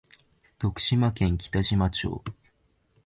徳島県北島町